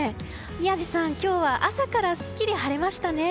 宮司さん、今日は朝からすっきり晴れましたね。